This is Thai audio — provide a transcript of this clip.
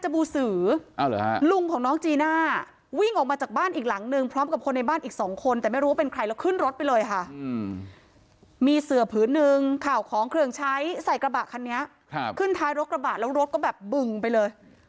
เหลืองใช้ใส่กระบะคันนี้ครับขึ้นท้ายรถกระบะแล้วรถก็แบบบึงไปเลย